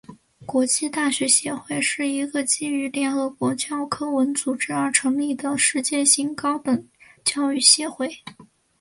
国际大学协会是一个基于联合国教科文组织而成立的世界性高等教育协会。